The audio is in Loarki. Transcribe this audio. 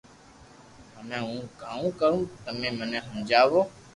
ھمي ھون ڪاو ڪارو تمي مني ھمجاو